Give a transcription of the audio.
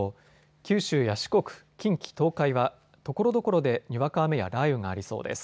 九州や四国、近畿、東海はところどころでにわか雨や雷雨がありそうです。